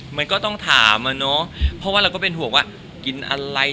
มันก็ต้องถามอะเนาะเพราะว่าเราก็เป็นห่วงว่ากินอะไร